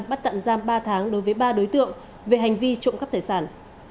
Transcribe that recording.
bắt tạm giam ba tháng đối với ba đối tượng về hành vi trộm cắp tài sản